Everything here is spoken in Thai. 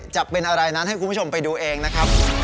จะเป็นอะไรนั้นให้คุณผู้ชมไปดูเองนะครับ